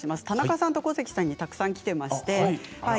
田中さんと小関さんにたくさんきています。